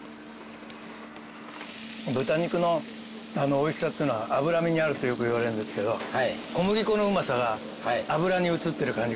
豚肉の美味しさというのは脂身にあるとよくいわれるんですけど小麦粉のうまさが脂に移ってる感じがします。